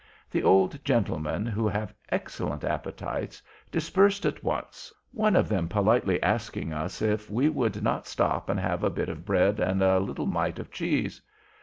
The old gentlemen, who have excellent appetites, dispersed at once, one of them politely asking us if we would not stop and have a bit of bread and a little mite of cheese.